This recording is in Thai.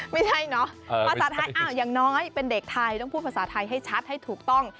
ไม่ใช่เนอะภาษาไทยอย่างน้อยเป็นเด็กไทยต้องพูดภาษาไทยให้ชัดให้ถูกต้อง